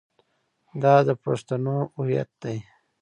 دا د پښتنو هویت دی.